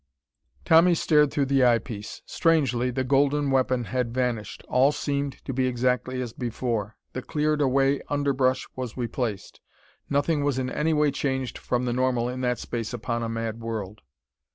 Tommy stared through the eye piece. Strangely, the golden weapon had vanished. All seemed to be exactly as before. The cleared away underbrush was replaced. Nothing was in any way changed from the normal in that space upon a mad world.